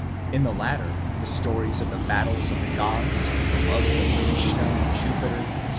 "In the latter, the stories of the battles of the gods, the loves of Krishna, Jupiter, etc.